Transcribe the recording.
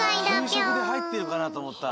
きゅうしょくではいってるかなとおもった。